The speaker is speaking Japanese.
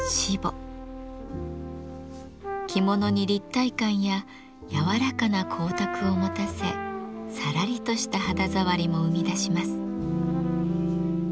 着物に立体感や柔らかな光沢を持たせさらりとした肌触りも生み出します。